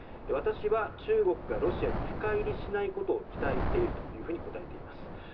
私は中国がロシアに深入りしないことを期待していると答えています。